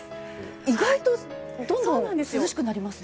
意外とどんどん涼しくなりますね。